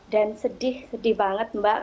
dan sedih sedih banget mbak